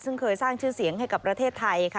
ซึ่งเคยสร้างชื่อเสียงให้กับประเทศไทยค่ะ